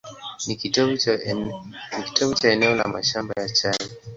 Ni kitovu cha eneo la mashamba ya chai.